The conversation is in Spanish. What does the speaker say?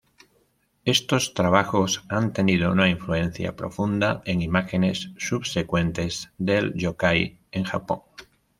Estos trabajos han tenido una influencia profunda en imágenes subsecuentes del yōkai en Japón.